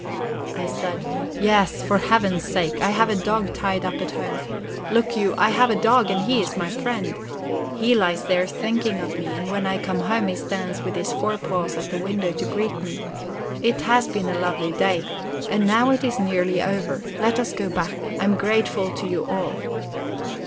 I said: "Yes, for Heaven's sake. I have a dog tied up at home; look you, I have a dog, and he is my friend; he lies there thinking of me, and when I come home he stands with his forepaws at the window to greet me. It has been a lovely day, and now it is nearly over; let us go back. I am grateful to you all."